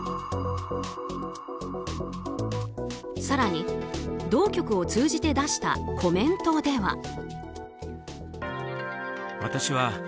更に、同局を通じて出したコメントでは。